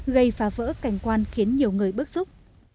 gây phá vỡ cảnh quan khiến nhiều người bức xúc